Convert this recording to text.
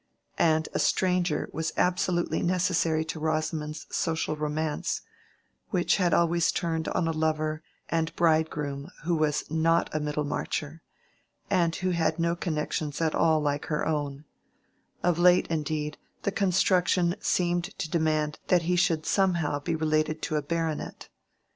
And a stranger was absolutely necessary to Rosamond's social romance, which had always turned on a lover and bridegroom who was not a Middlemarcher, and who had no connections at all like her own: of late, indeed, the construction seemed to demand that he should somehow be related to a baronet.